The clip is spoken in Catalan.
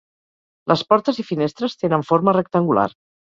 Les portes i finestres tenen forma rectangular.